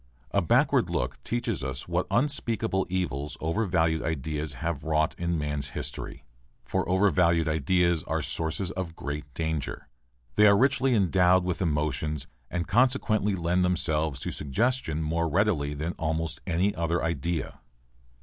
A backward look teaches us what unspeakable evils overvalued ideas have wrought in man's history. For overvalued ideas are sources of great danger. They are richly endowed with emotions and consequently lend themselves to suggestion more readily than almost any other idea.